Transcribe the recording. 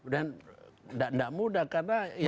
dan tidak mudah karena yang kita